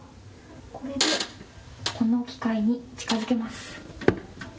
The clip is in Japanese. これで、この機械に近づけます。